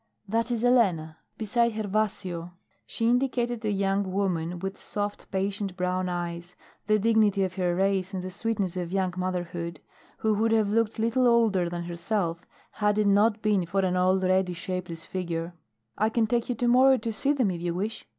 "That is Elena beside Gervasio." She indicated a young woman with soft, patient, brown eyes, the dignity of her race and the sweetness of young motherhood, who would have looked little older than herself had it not been for an already shapeless figure. "I can take you to morrow to see them if you wish."